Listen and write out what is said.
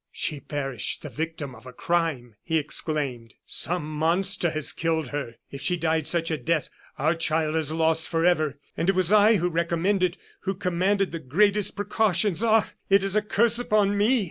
"She perished the victim of a crime!" he exclaimed. "Some monster has killed her. If she died such a death, our child is lost forever! And it was I who recommended, who commanded the greatest precautions! Ah! it is a curse upon me!"